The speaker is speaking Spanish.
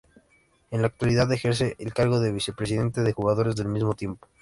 En la actualidad ejerce el cargo de vicepresidente de jugadores del mismo equipo.